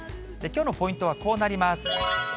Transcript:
きょうのポイントはこうなります。